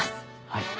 はい。